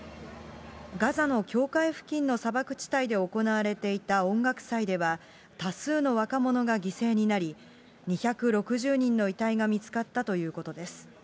ガザの教会付近の砂漠地帯で行われていた音楽祭では、多数の若者が犠牲になり、２６０人の遺体が見つかったということです。